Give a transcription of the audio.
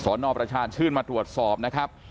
นประชาชื่นมาตรวจสอบนะครับ